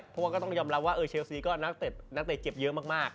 เพราะว่าก็ต้องยอมรับว่าเชลซีก็นักเตะนักเตะเจ็บเยอะมาก